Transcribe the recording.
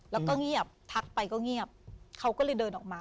แล้วก็เงียบทักไปก็เงียบเขาก็เลยเดินออกมา